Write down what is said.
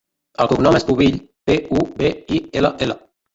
El cognom és Pubill: pe, u, be, i, ela, ela.